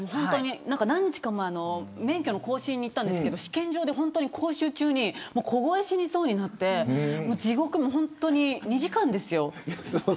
何日か前も免許の更新に行ったんですけど試験場で講習中に凍え死にそうになってもう地獄、本当に２時間ですよ。